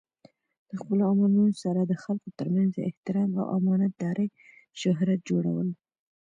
د خپلو عملونو سره د خلکو ترمنځ د احترام او امانت دارۍ شهرت جوړول.